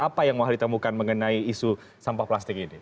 apa yang mau ditemukan mengenai isu sampah plastik ini